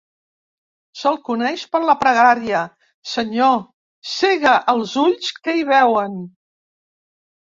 Se'l coneix per la pregària: "Senyor, cega els ulls que hi veuen".